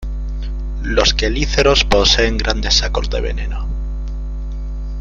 Los quelíceros poseen grandes sacos de veneno.